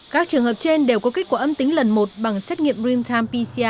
các trường hợp trên đều có kết quả âm tính lần một bằng xét nghiệm green time pcr